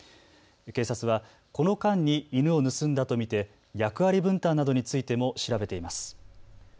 警察はこの間に犬を盗んだと見て役割分担などについても調べています。